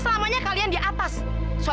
mama yang minta maaf segala